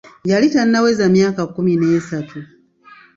Yali tannaweza myaka kkumi n'esatu.